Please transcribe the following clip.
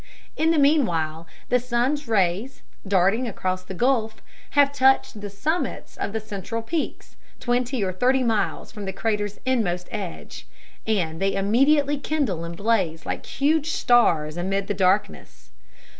In the meanwhile the sun's rays, darting across the gulf, have touched the summits of the central peaks, twenty or thirty miles from the crater's inmost edge, and they immediately kindle and blaze like huge stars amid the darkness.